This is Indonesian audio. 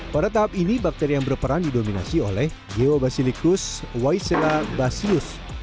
pada tahap ini bakteri yang berperan didominasi oleh geobasilicus weisselabacius